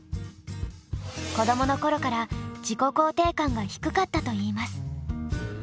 子どものころから自己肯定感が低かったといいます。